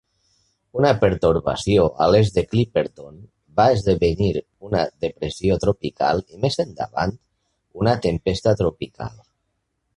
Una pertorbació a l'est de Clipperton va esdevenir una depressió tropical i, més endavant, una tempesta tropical.